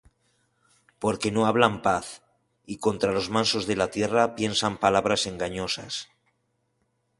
Porque no hablan paz; Y contra los mansos de la tierra piensan palabras engañosas.